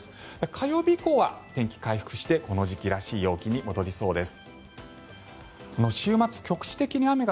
火曜日以降は天気回復してこの時期らしい陽気に戻りそうです。